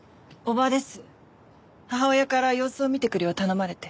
母親から様子を見てくるよう頼まれて。